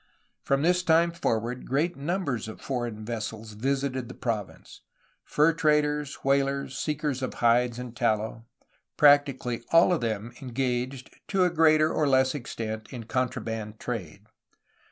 From this time forward great numbers of foreign vessels visited the province,— fur traders, whalers, seekers of hides and tallow. Practically all of them engaged to a greater or less extent in contraband trade.